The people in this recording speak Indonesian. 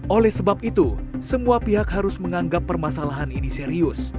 oleh sebab itu semua pihak harus menganggap permasalahan ini serius